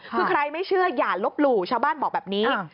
คือใครไม่เชื่ออย่าลบหลู่ชาวบ้านบอกแบบนี้